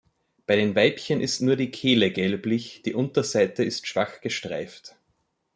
Bei den Weibchen ist nur die Kehle gelblich, die Unterseite ist schwach gestreift.